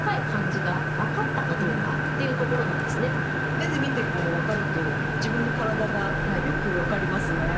目で見てこう分かると自分の体がよく分かりますね。